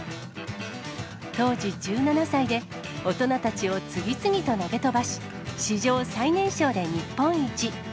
当時１７歳で、大人たちを次々と投げ飛ばし、史上最年少で日本一。